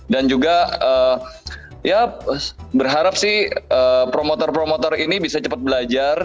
dan juga ya berharap sih promotor promotor ini bisa cepat belajar